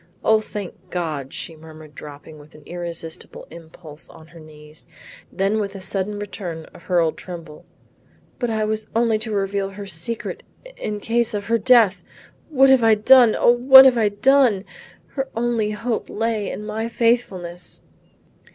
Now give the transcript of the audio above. "O thank God," she murmured dropping with an irresistible impulse on her knees. Then with a sudden return of her old tremble, "But I was only to reveal her secret in case of her death! What have I done, O what have I done! Her only hope lay in my faithfulness."